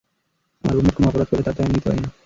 আমার রুমমেট কোনো অপরাধ করলে তার দায় আমি নিতে পারি না।